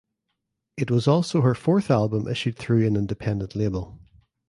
It was also her fourth album issued through an independent label.